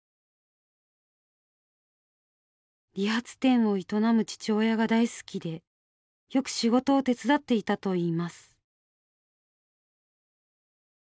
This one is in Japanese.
理髪店を営む父親が大好きでよく仕事を手伝っていたといいます。